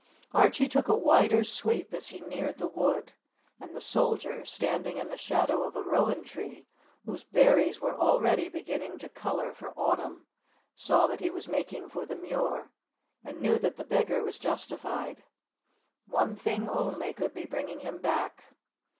Archie took a wider sweep as he neared the wood, and the soldier, standing in the shadow of a rowan tree, whose berries were already beginning to colour for autumn, saw that he was making for the Muir, and knew that the beggar was justified. One thing only could be bringing him back.